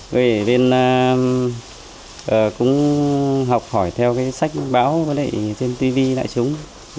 về bên cũng học hỏi theo sách báo trên tv lại chúng